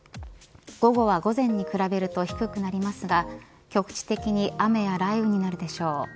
午後は午前に比べると低くなりますが局地的に雨や雷雨になるでしょう。